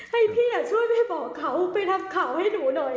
ให้พี่ช่วยไปบอกเขาไปทำข่าวให้หนูหน่อย